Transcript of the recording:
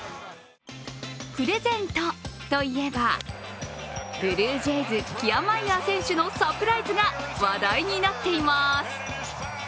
プレゼントといえばブルージェイズ、キアマイヤー選手のサプライズが話題になっています。